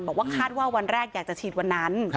บอกว่าคาดว่าวันแรกอยากจะฉีดวันนั้น